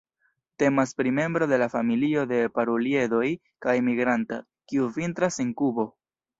Temas pri membro de la familio de Paruliedoj kaj migranta, kiu vintras en Kubo.